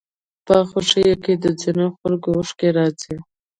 په خوښيو کې د ځينو خلکو اوښکې راځي.